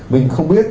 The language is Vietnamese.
mình không biết